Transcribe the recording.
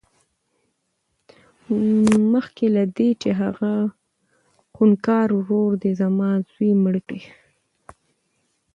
مخکې له دې چې هغه خونکار ورور دې زما زوى مړ کړي.